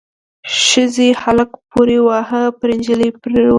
ښځې هلک پوري واهه، پر نجلۍ ور پريوته.